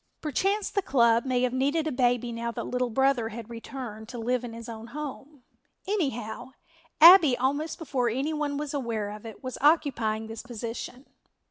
Perchance the club may have needed a baby now that "Little Brother" had returned, to live in his own home, anyhow, Abbie, almost before any one was aware of it, was occupying this position.